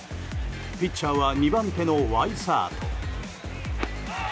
ピッチャーは２番手のワイサート。